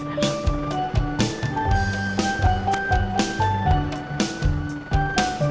apa beri apa